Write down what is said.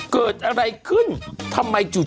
เกิดอะไรขึ้นทำไมจุด